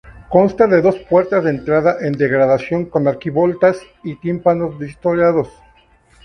Consta de dos puertas de entrada en degradación con arquivoltas y tímpanos historiados.